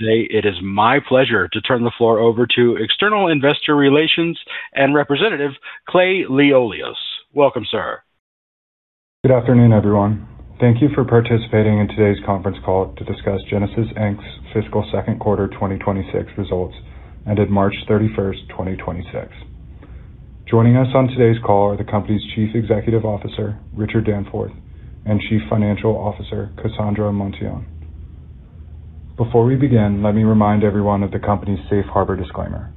Today, it is my pleasure to turn the floor over to External Investor Relations and representative, Clay Liolios. Welcome, sir. Good afternoon, everyone. Thank you for participating in today's conference call to discuss Genasys Inc.'s fiscal second quarter 2026 results, ended March 31st, 2026. Joining us on today's call are the company's Chief Executive Officer, Richard Danforth, and Chief Financial Officer, Cassandra Hernandez-Monteon. Before we begin, let me remind everyone of the company's safe harbor disclaimer.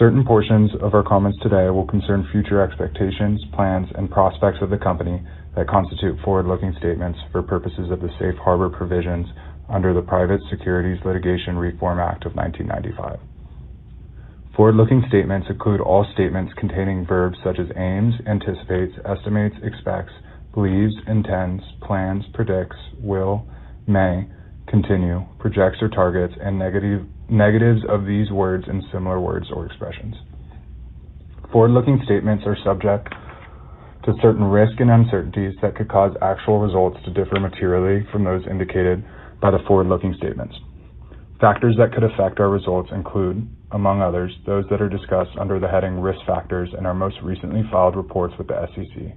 Certain portions of our comments today will concern future expectations, plans, and prospects of the company that constitute forward-looking statements for purposes of the safe harbor provisions under the Private Securities Litigation Reform Act of 1995. Forward-looking statements include all statements containing verbs such as aims, anticipates, estimates, expects, believes, intends, plans, predicts, will, may, continue, projects or targets, and negative, negatives of these words and similar words or expressions. Forward-looking statements are subject to certain risks and uncertainties that could cause actual results to differ materially from those indicated by the forward-looking statements. Factors that could affect our results include, among others, those that are discussed under the heading Risk Factors in our most recently filed reports with the SEC,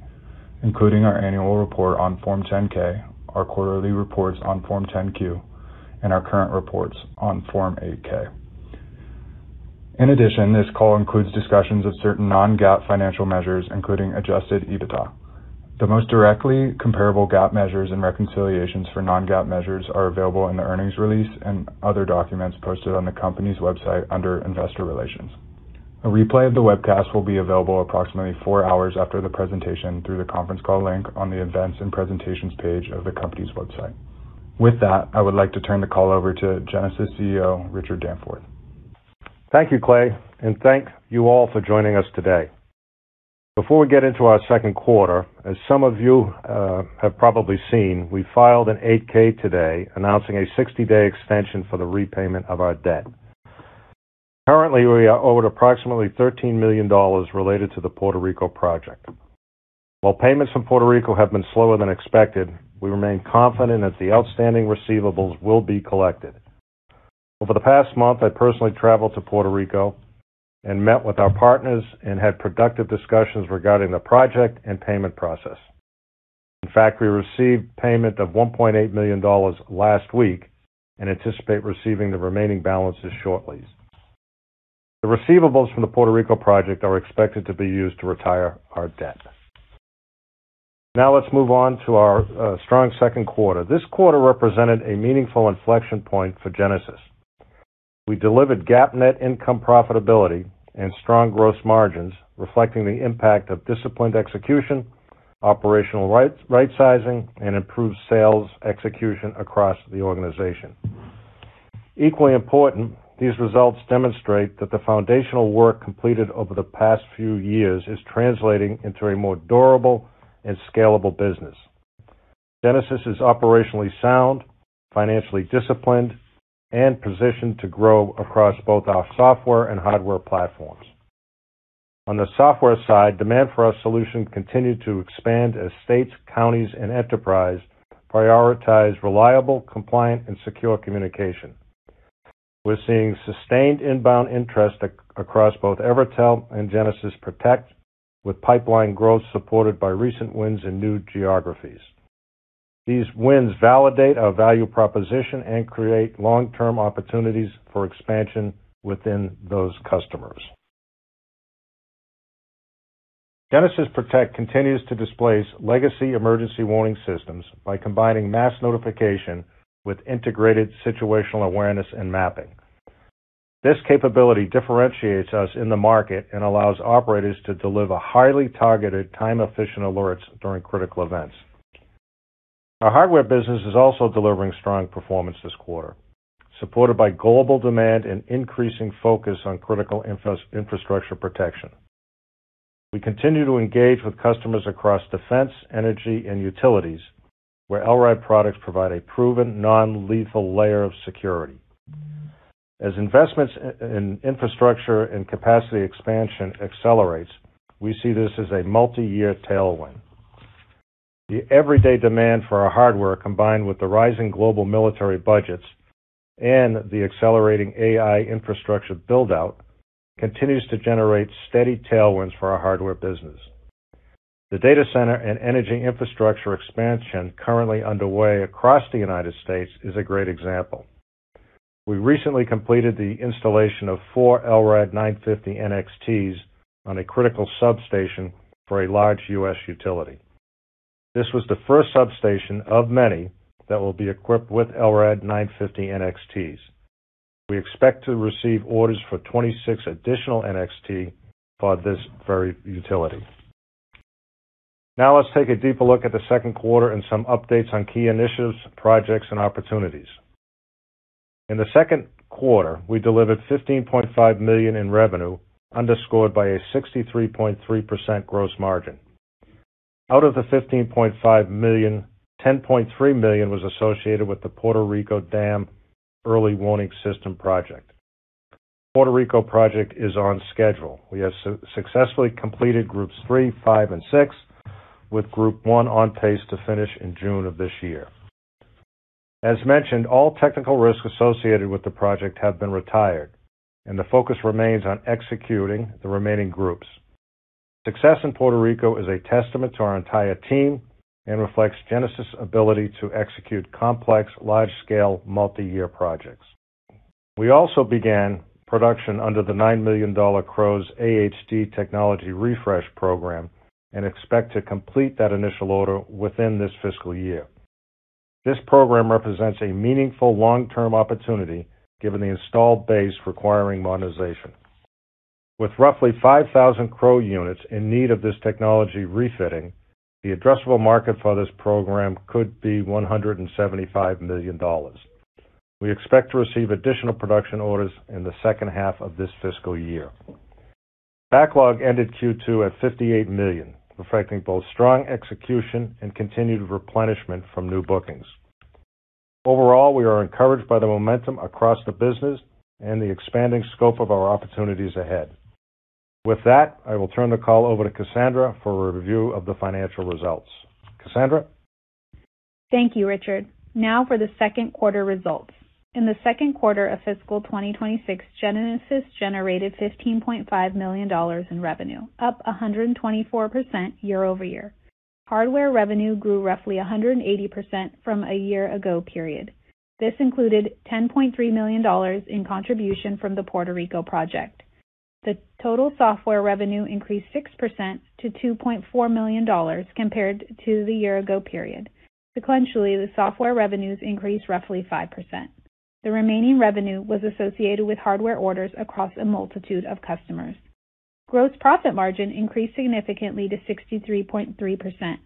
including our annual report on Form 10-K, our quarterly reports on Form 10-Q, and our current reports on Form 8-K. In addition, this call includes discussions of certain Non-GAAP financial measures, including Adjusted EBITDA. The most directly comparable GAAP measures and reconciliations for Non-GAAP measures are available in the earnings release and other documents posted on the company's website under Investor Relations. A replay of the webcast will be available approximately four hours after the presentation through the conference call link on the Events and Presentations page of the company's website. With that, I would like to turn the call over to Genasys CEO, Richard Danforth. Thank you, Clay, and thank you all for joining us today. Before we get into our second quarter, as some of you have probably seen, we filed an 8-K today announcing a 60-day extension for the repayment of our debt. Currently, we are owed approximately $13 million related to the Puerto Rico project. While payments from Puerto Rico have been slower than expected, we remain confident that the outstanding receivables will be collected. Over the past month, I personally traveled to Puerto Rico and met with our partners and had productive discussions regarding the project and payment process. In fact, we received payment of $1.8 million last week and anticipate receiving the remaining balances shortly. The receivables from the Puerto Rico project are expected to be used to retire our debt. Let's move on to our strong second quarter. This quarter represented a meaningful inflection point for Genasys. We delivered GAAP net income profitability and strong gross margins, reflecting the impact of disciplined execution, operational right-sizing, and improved sales execution across the organization. Equally important, these results demonstrate that the foundational work completed over the past few years is translating into a more durable and scalable business. Genasys is operationally sound, financially disciplined, and positioned to grow across both our software and hardware platforms. On the software side, demand for our solution continued to expand as states, counties, and enterprise prioritize reliable, compliant, and secure communication. We're seeing sustained inbound interest across both Evertel and Genasys Protect, with pipeline growth supported by recent wins in new geographies. These wins validate our value proposition and create long-term opportunities for expansion within those customers. Genasys Protect continues to displace legacy emergency warning systems by combining mass notification with integrated situational awareness and mapping. This capability differentiates us in the market and allows operators to deliver highly targeted, time-efficient alerts during critical events. Our hardware business is also delivering strong performance this quarter, supported by global demand and increasing focus on critical infrastructure protection. We continue to engage with customers across defense, energy, and utilities, where LRAD products provide a proven non-lethal layer of security. As investments in infrastructure and capacity expansion accelerates, we see this as a multi-year tailwind. The everyday demand for our hardware, combined with the rising global military budgets and the accelerating AI infrastructure build-out, continues to generate steady tailwinds for our hardware business. The data center and energy infrastructure expansion currently underway across the United States is a great example. We recently completed the installation of four LRAD 950NXTs on a critical substation for a large U.S. utility. This was the first substation of many that will be equipped with LRAD 950NXTs. We expect to receive orders for 26 additional NXT for this very utility. Let's take a deeper look at the second quarter and some updates on key initiatives, projects, and opportunities. In the second quarter, we delivered $15.5 million in revenue, underscored by a 63.3% gross margin. Out of the $15.5 million, $10.3 million was associated with the Puerto Rico Dam Emergency Warning System project. Puerto Rico project is on schedule. We have successfully completed groups three, five, and six, with group one on pace to finish in June of this year. As mentioned, all technical risks associated with the project have been retired, and the focus remains on executing the remaining groups. Success in Puerto Rico is a testament to our entire team and reflects Genasys' ability to execute complex, large-scale, multi-year projects. We also began production under the $9 million CROWS AHD technology refresh program and expect to complete that initial order within this fiscal year. This program represents a meaningful long-term opportunity given the installed base requiring monetization. With roughly 5,000 CROW units in need of this technology refitting, the addressable market for this program could be $175 million. We expect to receive additional production orders in the second half of this fiscal year. Backlog ended Q2 at $58 million, reflecting both strong execution and continued replenishment from new bookings. Overall, we are encouraged by the momentum across the business and the expanding scope of our opportunities ahead. With that, I will turn the call over to Cassandra for a review of the financial results. Cassandra? Thank you, Richard. Now for the second quarter results. In the second quarter of fiscal 2026, Genasys generated $15.5 million in revenue, up 124% year-over-year. Hardware revenue grew roughly 180% from a year-ago period. This included $10.3 million in contribution from the Puerto Rico project. The total software revenue increased 6% to $2.4 million compared to the year-ago period. Sequentially, the software revenues increased roughly 5%. The remaining revenue was associated with hardware orders across a multitude of customers. Gross profit margin increased significantly to 63.3%.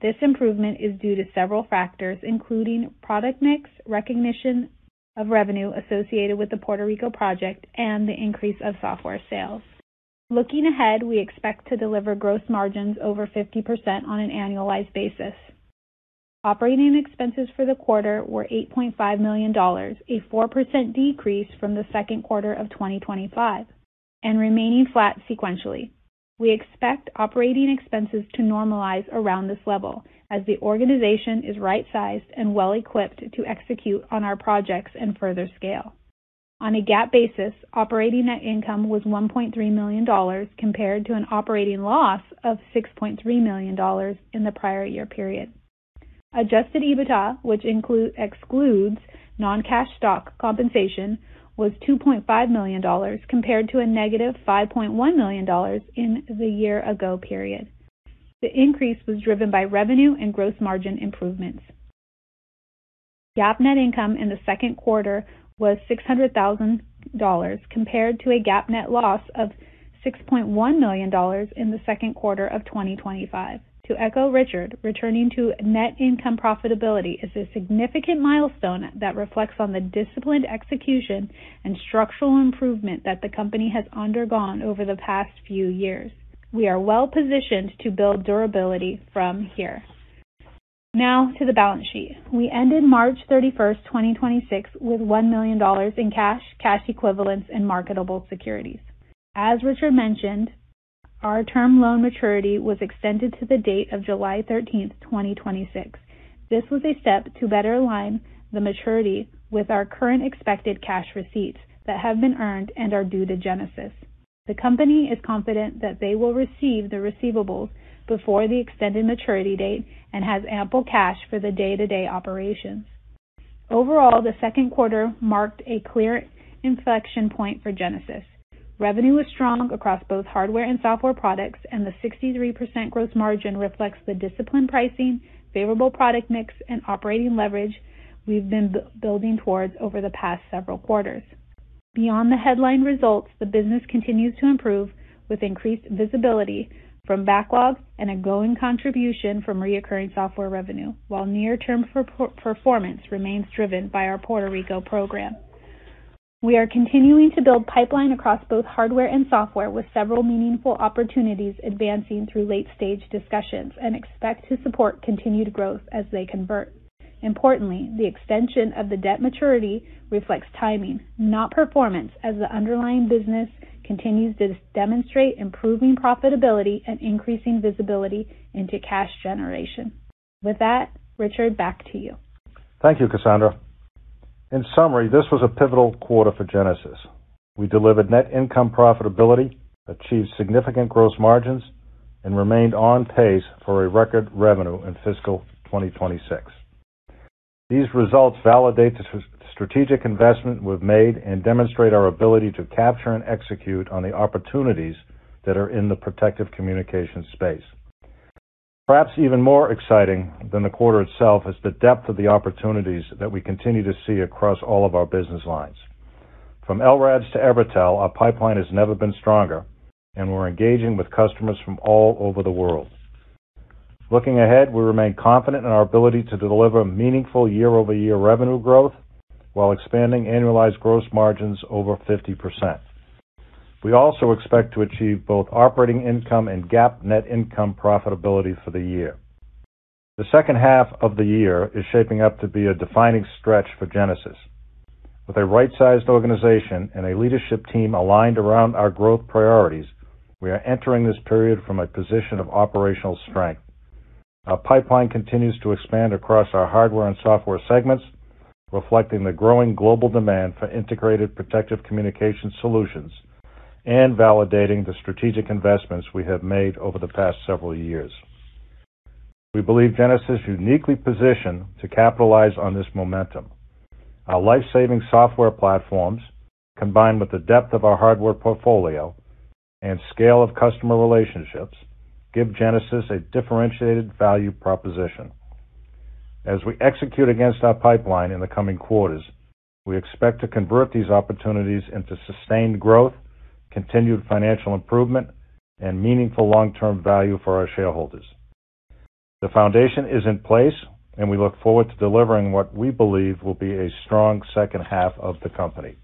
This improvement is due to several factors, including product mix, recognition of revenue associated with the Puerto Rico project, and the increase of software sales. Looking ahead, we expect to deliver gross margins over 50% on an annualized basis. Operating expenses for the quarter were $8.5 million, a 4% decrease from the second quarter of 2025, and remaining flat sequentially. We expect operating expenses to normalize around this level as the organization is right-sized and well-equipped to execute on our projects and further scale. On a GAAP basis, operating net income was $1.3 million compared to an operating loss of $6.3 million in the prior year period. Adjusted EBITDA, which excludes non-cash stock compensation, was $2.5 million compared to a negative $5.1 million in the year-ago period. The increase was driven by revenue and gross margin improvements. GAAP net income in the second quarter was $600,000 compared to a GAAP net loss of $6.1 million in the second quarter of 2025. To echo Richard, returning to net income profitability is a significant milestone that reflects on the disciplined execution and structural improvement that the company has undergone over the past few years. We are well-positioned to build durability from here. Now to the balance sheet. We ended March 31st, 2026, with $1 million in cash equivalents, and marketable securities. As Richard mentioned, our term loan maturity was extended to the date of July 13th, 2026. This was a step to better align the maturity with our current expected cash receipts that have been earned and are due to Genasys. The company is confident that they will receive the receivables before the extended maturity date and has ample cash for the day-to-day operations. Overall, the second quarter marked a clear inflection point for Genasys. Revenue was strong across both hardware and software products, and the 63% gross margin reflects the disciplined pricing, favorable product mix, and operating leverage we've been building towards over the past several quarters. Beyond the headline results, the business continues to improve with increased visibility from backlog and a going contribution from reoccurring software revenue, while near-term performance remains driven by our Puerto Rico program. We are continuing to build pipeline across both hardware and software with several meaningful opportunities advancing through late-stage discussions and expect to support continued growth as they convert. Importantly, the extension of the debt maturity reflects timing, not performance, as the underlying business continues to demonstrate improving profitability and increasing visibility into cash generation. With that, Richard, back to you. Thank you, Cassandra. In summary, this was a pivotal quarter for Genasys. We delivered net income profitability, achieved significant gross margins, and remained on pace for a record revenue in fiscal 2026. These results validate the strategic investment we've made and demonstrate our ability to capture and execute on the opportunities that are in the protective communications space. Perhaps even more exciting than the quarter itself is the depth of the opportunities that we continue to see across all of our business lines. From LRADs to Evertel, our pipeline has never been stronger, and we're engaging with customers from all over the world. Looking ahead, we remain confident in our ability to deliver meaningful year-over-year revenue growth while expanding annualized gross margins over 50%. We also expect to achieve both operating income and GAAP net income profitability for the year. The second half of the year is shaping up to be a defining stretch for Genasys. With a right-sized organization and a leadership team aligned around our growth priorities, we are entering this period from a position of operational strength. Our pipeline continues to expand across our hardware and software segments, reflecting the growing global demand for integrated protective communication solutions and validating the strategic investments we have made over the past several years. We believe Genasys is uniquely positioned to capitalize on this momentum. Our life-saving software platforms, combined with the depth of our hardware portfolio and scale of customer relationships, give Genasys a differentiated value proposition. As we execute against our pipeline in the coming quarters, we expect to convert these opportunities into sustained growth, continued financial improvement, and meaningful long-term value for our shareholders. The foundation is in place, and we look forward to delivering what we believe will be a strong second half of the company.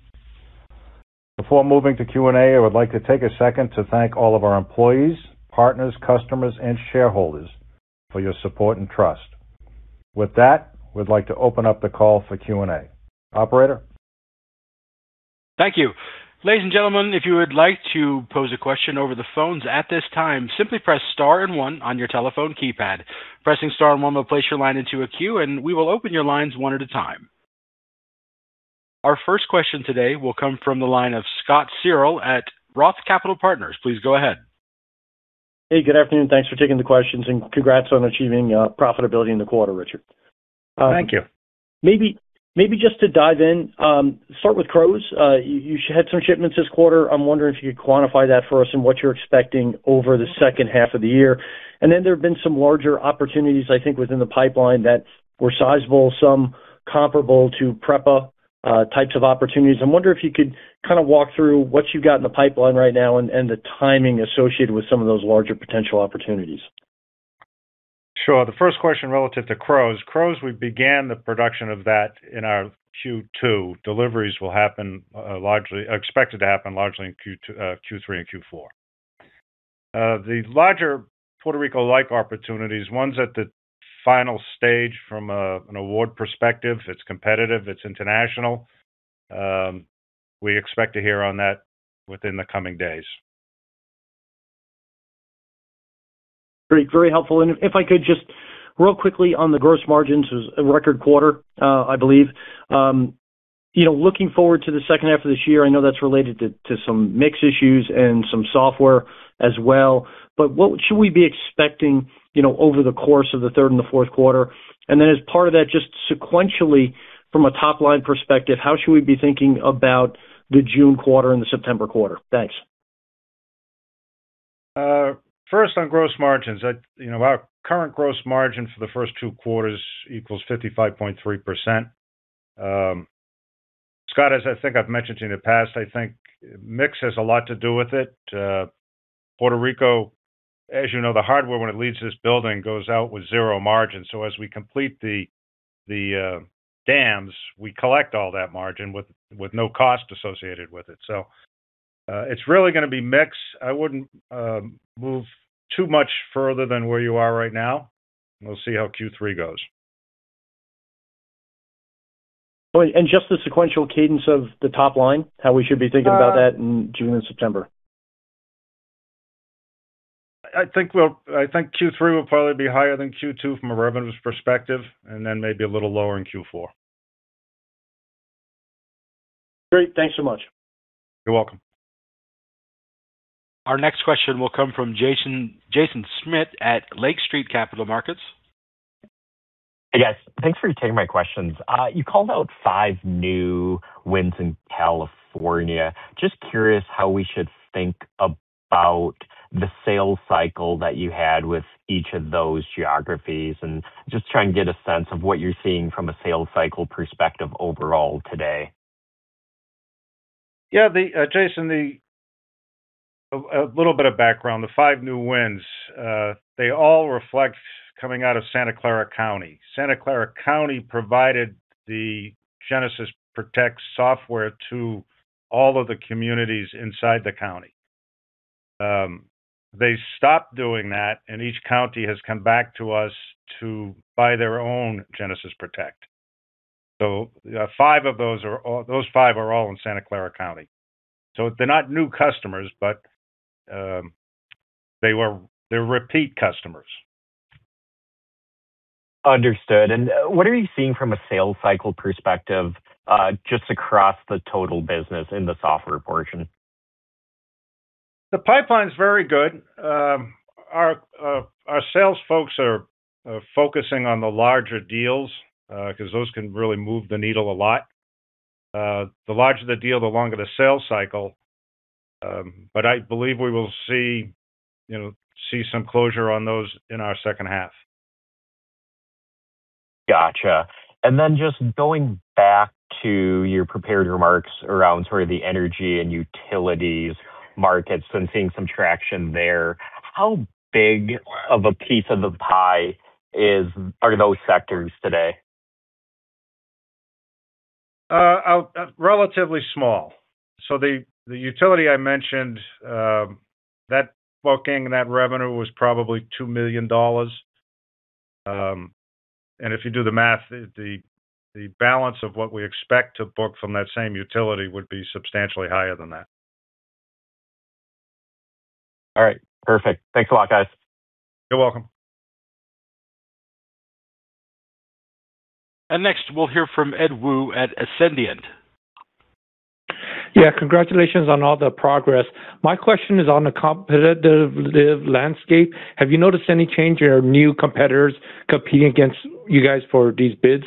Before moving to Q&A, I would like to take a second to thank all of our employees, partners, customers, and shareholders for your support and trust. With that, we'd like to open up the call for Q&A. Operator? Thank you. Ladies and gentlemen, if you would like to pose a question over the phones at this time, simply press star and one on your telephone keypad. Pressing star and one will place your line into a queue, and we will open your lines one at a time. Our first question today will come from the line of Scott Searle at ROTH Capital Partners. Please go ahead. Hey, good afternoon. Thanks for taking the questions, and congrats on achieving profitability in the quarter, Richard. Thank you. Maybe just to dive in, start with CROWS. You had some shipments this quarter. I'm wondering if you could quantify that for us and what you're expecting over the second half of the year. There have been some larger opportunities, I think, within the pipeline that were sizable, some comparable to PREPA types of opportunities. I'm wondering if you could kinda walk through what you got in the pipeline right now and the timing associated with some of those larger potential opportunities. Sure. The first question relative to CROWS. CROWS, we began the production of that in our Q2. Deliveries will happen, expected to happen largely in Q3 and Q4. The larger Puerto Rico-like opportunities, ones at the final stage from an award perspective, it's competitive, it's international, we expect to hear on that within the coming days. Great. Very helpful. If I could just real quickly on the gross margins, it was a record quarter, I believe. You know, looking forward to the second half of this year, I know that's related to some mix issues and some software as well, but what should we be expecting, you know, over the course of the third and the fourth quarter? Then as part of that, just sequentially from a top-line perspective, how should we be thinking about the June quarter and the September quarter? Thanks. First, on gross margins. You know, our current gross margin for the first two quarters equals 55.3%. Scott, as I think I've mentioned to you in the past, I think mix has a lot to do with it. Puerto Rico, as you know, the hardware when it leaves this building goes out with zero margin. As we complete the dams, we collect all that margin with no cost associated with it. It's really gonna be mix. I wouldn't move too much further than where you are right now. We'll see how Q3 goes. Just the sequential cadence of the top line, how we should be thinking about that in June and September. I think Q3 will probably be higher than Q2 from a revenues perspective, and then maybe a little lower in Q4. Great. Thanks so much. You're welcome. Our next question will come from Jaeson Schmidt at Lake Street Capital Markets. Yes. Thanks for taking my questions. You called out five new wins in California. Just curious how we should think about the sales cycle that you had with each of those geographies, and just try and get a sense of what you're seeing from a sales cycle perspective overall today. The, Jaeson, a little bit of background. The five new wins, they all reflect coming out of Santa Clara County. Santa Clara County provided the Genasys Protect software to all of the communities inside the county. They stopped doing that, and each county has come back to us to buy their own Genasys Protect. five of those five are all in Santa Clara County. They're not new customers, but they're repeat customers. Understood. What are you seeing from a sales cycle perspective, just across the total business in the software portion? The pipeline is very good. Our sales folks are focusing on the larger deals, 'cause those can really move the needle a lot. The larger the deal, the longer the sales cycle, but I believe we will see, you know, see some closure on those in our second half. Gotcha. Just going back to your prepared remarks around sort of the energy and utilities markets and seeing some traction there, how big of a piece of the pie are those sectors today? Relatively small. The utility I mentioned, that booking, that revenue was probably $2 million. If you do the math, the balance of what we expect to book from that same utility would be substantially higher than that. All right. Perfect. Thanks a lot, guys. You're welcome. Next, we'll hear from Ed Woo at Ascendiant. Yeah. Congratulations on all the progress. My question is on the competitive landscape. Have you noticed any change or new competitors competing against you guys for these bids?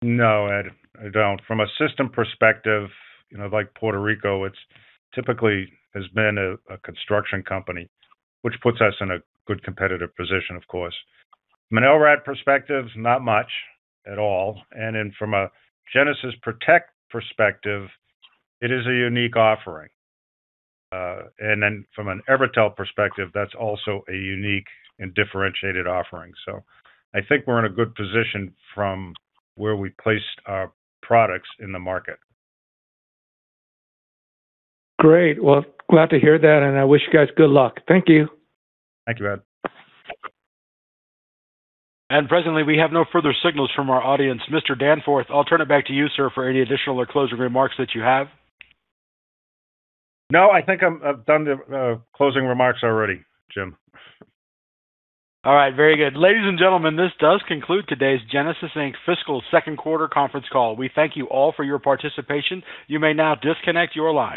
No, Ed, I don't. From a system perspective, you know, like Puerto Rico, it's typically has been a construction company, which puts us in a good competitive position, of course. From an LRAD perspective, not much at all. From a Genasys Protect perspective, it is a unique offering. From an Evertel perspective, that's also a unique and differentiated offering. I think we're in a good position from where we placed our products in the market. Great. Well, glad to hear that. I wish you guys good luck. Thank you. Thank you, Ed. Presently, we have no further signals from our audience. Mr. Danforth, I'll turn it back to you, sir, for any additional or closing remarks that you have. No, I think I'm, I've done the closing remarks already, Jim. All right. Very good. Ladies and gentlemen, this does conclude today's Genasys Inc. fiscal second quarter conference call. We thank you all for your participation. You may now disconnect your lines.